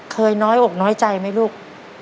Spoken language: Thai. น้อยอกน้อยใจไหมลูก